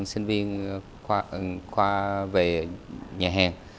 sinh viên khoa về nhà hàng